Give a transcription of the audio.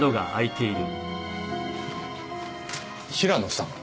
平野さん？